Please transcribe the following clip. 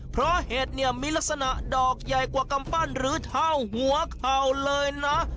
เพราะเห็ดเนี่ยมีลักษณะดอกใหญ่กว่ากำปั้นหรือเท่าหัวเข่าเลยนะ